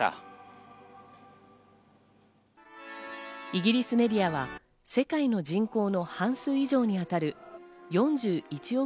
イギリスメディアは世界の人口の半数以上にあたる４１億